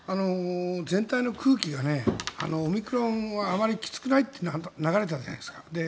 全体の空気がオミクロンはあまりきつくないと流れたじゃないですか。